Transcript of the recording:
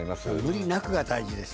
無理なくが大事ですね。